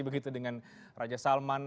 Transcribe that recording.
begitu dengan raja salman